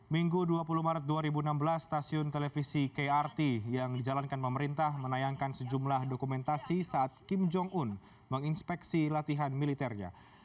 minggu dua puluh maret dua ribu enam belas stasiun televisi krt yang dijalankan pemerintah menayangkan sejumlah dokumentasi saat kim jong un menginspeksi latihan militernya